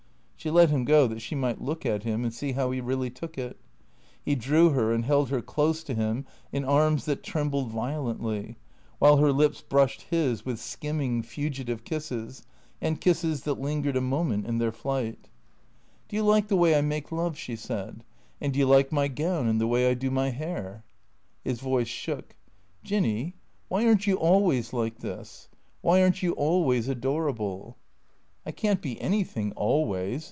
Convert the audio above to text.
She let him go that she might look at him and see how he really took it. He drew her and held her close to him in arms that trembled violently, while her lips brushed his with skim ming, fugitive kisses, and kisses that lingered a moment in their flight. 393 THE CREATOES " Do you like the way I make love ?" she said. " And do you like my gown and the way I do my hair ?" His voice shook. " Jinny, why are n't you always like this ? Why are n't you always adorable ?"" I can't be anything — always.